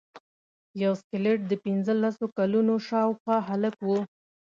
یو سکلیټ د پنځلسو کلونو شاوخوا هلک و.